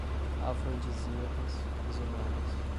afrodisíacas, visionárias